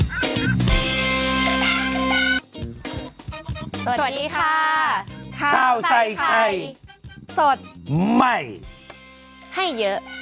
สวัสดีค่ะข้าวใส่ไข่สดใหม่ให้เยอะ